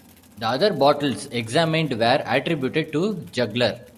The other bottles examined were attributed to Juglar.